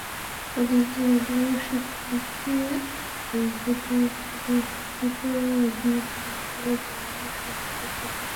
কলেজের শিক্ষার্থী আর ধুতি পরিহিত রাজনীতিবিদরা কীভাবে সম্পর্কযুক্ত?